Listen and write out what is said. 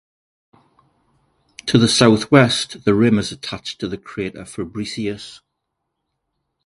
To the southwest the rim is attached to the crater Fabricius.